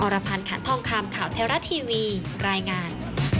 อรพันธ์ขาดท่องคำข่าวเทราะทีวีรายงาน